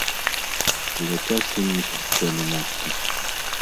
Ляцяць уніз цэны нафты.